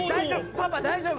パパ大丈夫？